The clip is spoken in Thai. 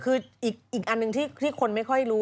คืออีกอันหนึ่งที่คนไม่ค่อยรู้